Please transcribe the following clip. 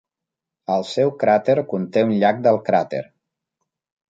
El seu cràter conté un llac del cràter.